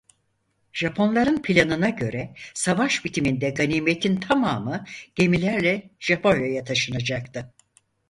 Japonların planına göre savaş bitiminde ganimetin tamamı gemilerle Japonya'ya taşınacaktı.